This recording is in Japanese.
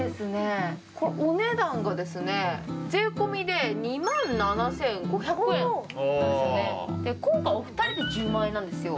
お値段がですね、税込みで２万７５００円なので今回、お二人で１０万円なんですよ。